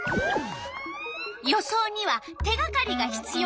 予想には手がかりがひつようよね。